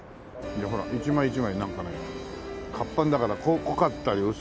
ほら一枚一枚なんかね活版だから濃かったり薄かったり。